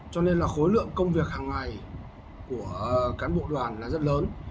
cho nên là khối lượng công việc hàng ngày của cán bộ đoàn là rất lớn